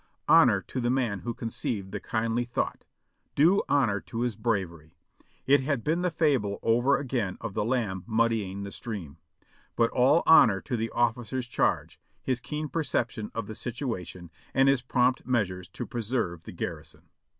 Honor to the man who conceived the kindly thought I Due honor to his bravery! It had been the fable over again of the lamb muddying the stream ; but all honor to the officer's charge, his keen perception of the situation, and his prompt measures to preserve the garrison.